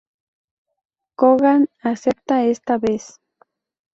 Coogan, acepta esta vez.